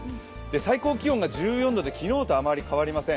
最高気温が１４度で昨日とあまり変わりません。